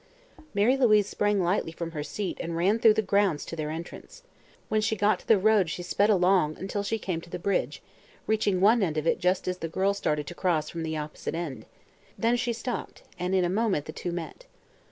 Mary Louise sprang lightly from her seat and ran through the grounds to their entrance. When she got to the road she sped along until she came to the bridge, reaching one end of it just as the other girl started to cross from the opposite end. Then she stopped and in a moment the two met.